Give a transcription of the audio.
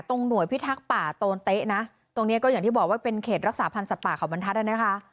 หน่วยพิทักษ์ป่าโตนเต๊ะนะตรงเนี้ยก็อย่างที่บอกว่าเป็นเขตรักษาพันธ์สัตว์ป่าเขาบรรทัศน์นะคะ